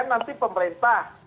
kan nanti pemerintah